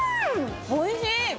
「おいしい！